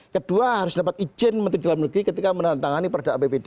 kedua harus dapat izin menteri dalam negeri ketika menantangani perdaan bpd